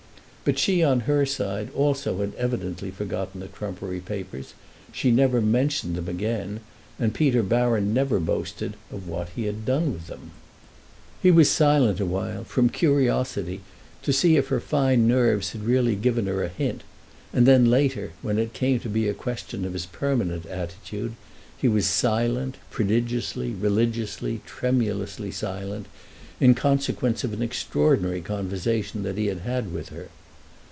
But she, on her side, also had evidently forgotten the trumpery papers: she never mentioned them again, and Peter Baron never boasted of what he had done with them. He was silent for a while, from curiosity to see if her fine nerves had really given her a hint; and then later, when it came to be a question of his permanent attitude, he was silent, prodigiously, religiously, tremulously silent, in consequence of an extraordinary conversation that he had with her.